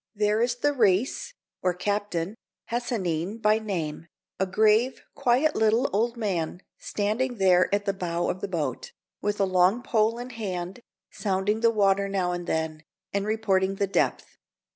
There is the reis, or captain Hassaneen by name a grave, quiet little old man, standing there at the bow of the boat, with a long pole in hand, sounding the water now and then, and reporting the depth.